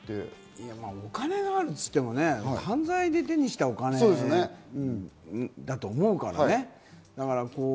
お金があるって言っても犯罪で手にしたお金だと思うからね。